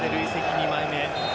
２枚目。